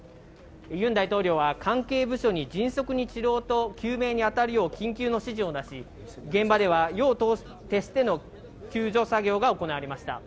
ユン大統領は、関係部署に迅速に治療と救命に当たるよう緊急の指示を出し、現場では、夜を徹しての救助作業が行われました。